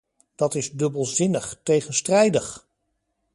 Dat is dubbelzinnig, tegenstrijdig!